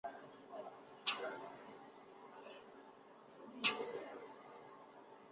尽管此宪法在本质上具有局限性。